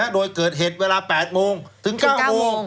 โดยเกิดเหตุเวลา๘โมงถึง๙โมง